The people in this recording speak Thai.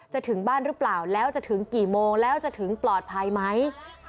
ถึงบ้านหรือเปล่าแล้วจะถึงกี่โมงแล้วจะถึงปลอดภัยไหม